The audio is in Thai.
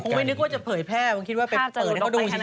คือคงไม่นึกว่าจะเผยแพร่คงคิดว่าไปเผยแล้วก็ดูเฉย